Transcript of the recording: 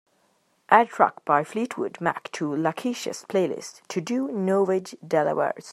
Add track by Fleetwood Mac to lakeisha's playlist TODO NOVEDADelawareS